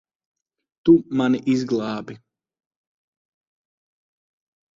Tu mani izglābi.